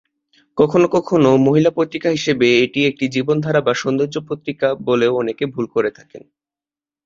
কখনও কখনও মহিলা পত্রিকা হিসাবে এটি একটি জীবনধারা বা সৌন্দর্য পত্রিকা বলেও অনেকে ভুল করে থাকেন।